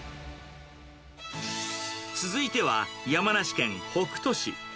続いては、山梨県北杜市。